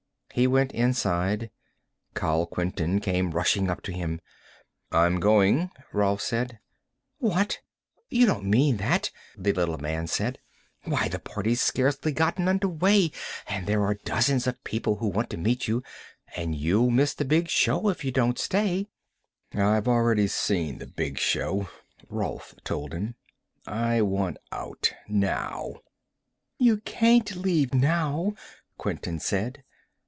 He went inside. Kal Quinton came rushing up to him. "I'm going," Rolf said. "What? You don't mean that," the little man said. "Why, the party's scarcely gotten under way, and there are dozens of people who want to meet you. And you'll miss the big show if you don't stay." "I've already seen the big show," Rolf told him. "I want out. Now." "You can't leave now," Quinton said.